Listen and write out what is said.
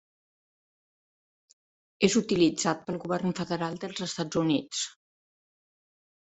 És utilitzat pel govern federal dels Estats Units.